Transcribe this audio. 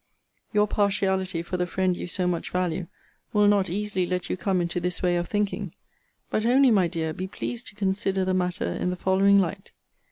Your partiality for the friend you so much value will not easily let you come into this way of thinking. But only, my dear, be pleased to consider the matter in the following light.